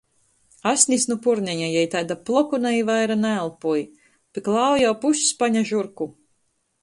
Asnis nu purneņa, jei taida plokona i vaira naelpoj. Pi klāva jau pusspaņa žurku.